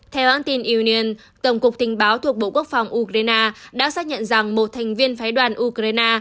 theo hãng tin union tổng cục tình báo thuộc bộ quốc phòng ukraine đã xác nhận rằng một thành viên phái đoàn ukraine